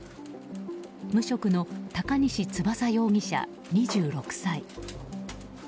無職の高西翼容疑者、２６歳。